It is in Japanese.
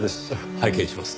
拝見します。